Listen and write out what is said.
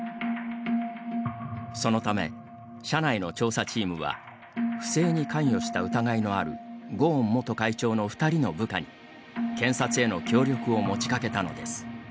そのため、社内の調査チームは不正に関与した疑いのあるゴーン元会長の２人の部下に検察への協力を持ちかけたのです。